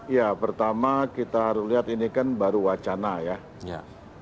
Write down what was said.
ya pertama kita harus lihat ini kan baru wacana ya